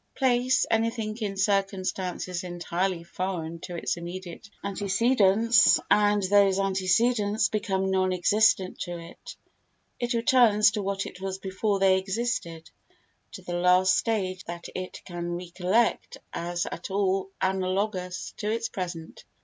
Place anything in circumstances entirely foreign to its immediate antecedents, and those antecedents become non existent to it, it returns to what it was before they existed, to the last stage that it can recollect as at all analogous to its present.